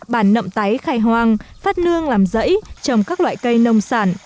bản nậm táy khai hoang phát nương làm rẫy trồng các loại cây nông sản